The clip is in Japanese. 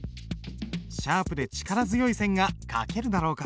シャープで力強い線が書けるだろうか？